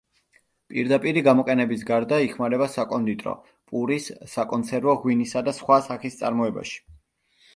პირდაპირი გამოყენების გარდა იხმარება საკონდიტრო, პურის, საკონსერვო, ღვინისა და სხვა სახის წარმოებაში.